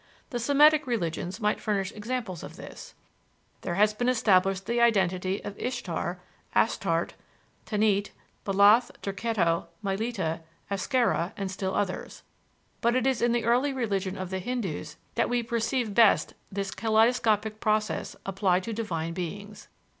The Semitic religions might furnish examples of this. There has been established the identity of Istar, Astarte, Tanit, Baalath, Derketo, Mylitta, Aschera, and still others. But it is in the early religion of the Hindoos that we perceive best this kaleidoscopic process applied to divine beings.